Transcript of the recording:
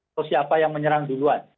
atau siapa yang menyerang duluan